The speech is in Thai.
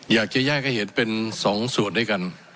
อยากจะแยกให้เห็นเป็นสองส่วนด้วยกัน